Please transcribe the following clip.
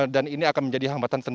dan ini akan menjadi hamba